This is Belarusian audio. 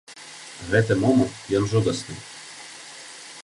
Гэты момант, ён жудасны.